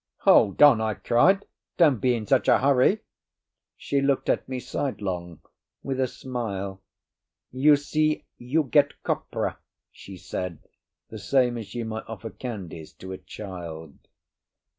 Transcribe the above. "Hold on!" I cried. "Don't be in such a hurry." She looked at me sidelong with a smile. "You see, you get copra," she said, the same as you might offer candies to a child.